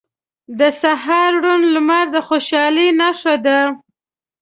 • د سهار روڼ لمر د خوشحالۍ نښه ده.